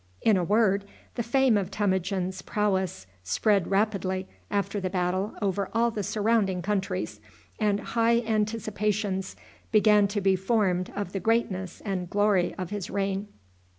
In a word, the fame of Temujin's prowess spread rapidly after the battle over all the surrounding countries, and high anticipations began to be formed of the greatness and glory of his reign.